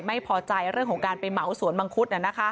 ไม่พอใจเรื่องของการไปเหมาสวนมังคุด